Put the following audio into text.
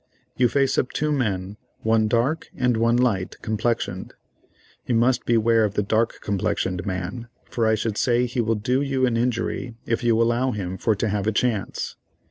You face up two men, one dark and one light complexioned. You must beware of the dark complexioned man, for I should say he will do you an injury if you allow him for to have a chance.